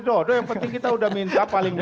dodo yang penting kita udah minta paling